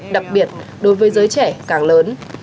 đặc biệt đối với giới trẻ càng lớn